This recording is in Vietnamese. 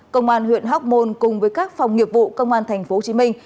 công an huyện hóc môn cùng với các phòng nghiệp vụ công an thành phố hồ chí minh